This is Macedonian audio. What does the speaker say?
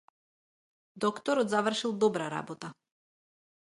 Докторот завршил добра работа.